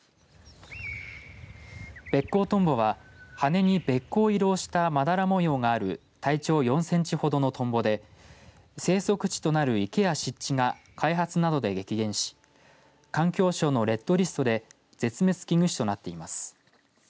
ベッコウトンボは羽根にべっこう色をしたまだら模様がある体長４センチほどのトンボで生息地となる池や湿地が開発などで激減し環境省のレッドリストで絶滅危惧種となっています。